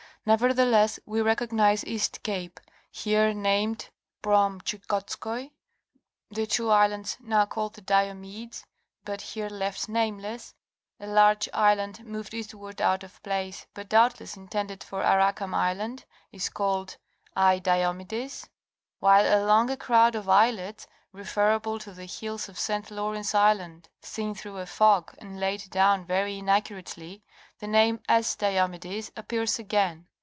Nevertheless we recognize East Cape, here named "Prom. Tschukotskoi;" the two islands now called the Diomedes but here left nameless ; a large island, moved eastward out of place, but doubtless intended for Arakam Island, is called ''I. Diomedis;" while among a crowd of islets (referable to the hills of St. Lawrence Island seen through a fog and laid down very inaccurately), the name "8S. Diomedis" appears again.